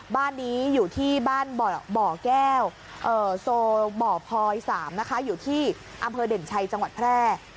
บ้านนี้อยู่ที่บ้านบ่อแก้วโซบ่อพลอย๓นะคะอยู่ที่อำเภอเด่นชัยจังหวัดแพร่